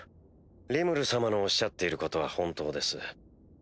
リムル様のおっしゃっていることは本当です。